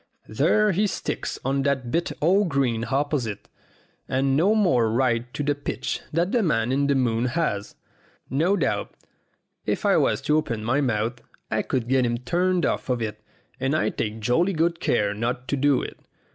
There he sticks on that bit o' green opposite, and no more right to the pitch than the man in the moon has. No doubt, if I was to open my mouth, I could get him turned off of it, and I take jolly good care not to do it.